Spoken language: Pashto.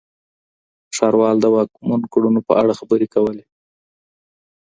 ښاروال د واکمن کړنو په اړه خبرې کولې.